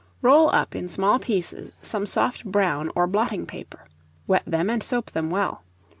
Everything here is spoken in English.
Roll up in small pieces some soft brown or blotting paper; wet them, and soap them well.